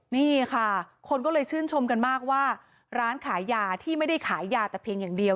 นี่ค่ะคนก็เลยชื่นชมกันมากว่าร้านขายยาที่ไม่ได้ขายยาแต่เพียงอย่างเดียว